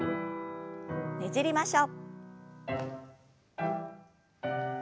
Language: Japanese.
ねじりましょう。